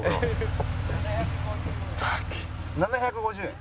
７５０円。